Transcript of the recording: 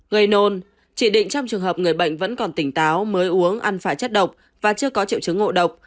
gây nôn chỉ định trong trường hợp người bệnh vẫn còn tỉnh táo mới uống ăn phải chất độc và chưa có triệu chứng ngộ độc